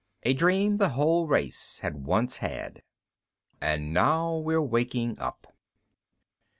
A dream the whole race had once had. _And now we're waking up.